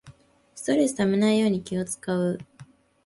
ストレスためないように気をつかう